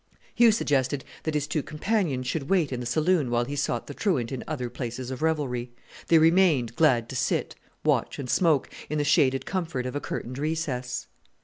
Hugh suggested that his two companions should wait in the saloon while he sought the truant in other places of revelry. They remained, glad to sit, watch, and smoke, in the shaded comfort of a curtained recess.